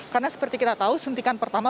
karena seperti kita tahu sentikan pertama